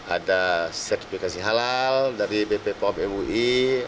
ada sertifikasi halal dari bppup ewi